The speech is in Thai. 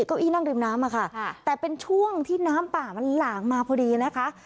เก้าอี้นั่งริมน้ำอะค่ะแต่เป็นช่วงที่น้ำป่ามันหลากมาพอดีนะคะ